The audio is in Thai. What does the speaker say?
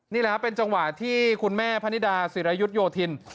นี่แหละครับเป็นจังหวะที่คุณแม่พนิดาศิรายุทธโยธิน